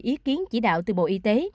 ý kiến chỉ đạo từ bộ y tế